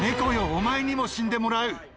お前にも死んでもらう。